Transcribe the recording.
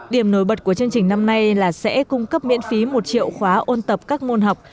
điểm nổi bật của chương trình năm nay là sẽ cung cấp miễn phí một triệu khóa ôn tập các môn học